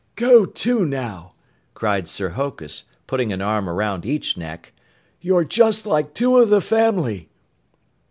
"Go to, now!" cried Sir Hokus, putting an arm around each neck. "You're just like two of the family!"